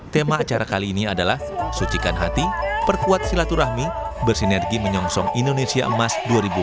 tema acara kali ini adalah sucikan hati perkuat silaturahmi bersinergi menyongsong indonesia emas dua ribu dua puluh